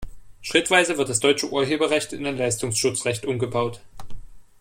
Schrittweise wird das deutsche Urheberrecht in ein Leistungsschutzrecht umgebaut.